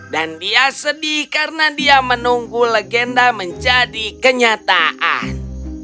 dan dia sedih karena dia menunggu legenda menjadi kenyataan